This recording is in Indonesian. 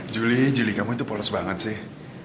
juli juli kamu itu polos banget sih